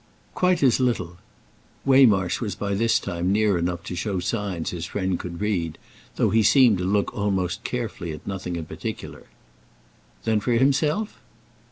"Quite as little." Waymarsh was by this time near enough to show signs his friend could read, though he seemed to look almost carefully at nothing in particular. "Then for himself?"